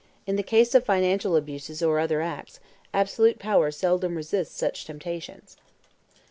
In the case of financial abuses or other acts, absolute power seldom resists such temptations.